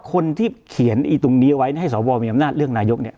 คนที่เขียนตรงนี้ไว้ให้สวมีอำนาจเลือกนายกเนี่ย